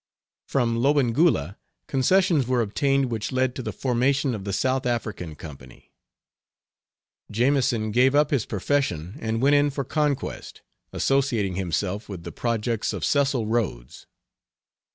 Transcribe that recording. From Lobengula concessions were obtained which led to the formation of the South African Company. Jameson gave up his profession and went in for conquest, associating himself with the projects of Cecil Rhodes.